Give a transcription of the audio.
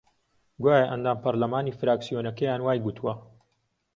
گوایە ئەندام پەرلەمانی فراکسیۆنەکەیان وای گوتووە